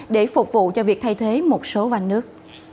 để phục vụ cho việc thay thế một số vanh nước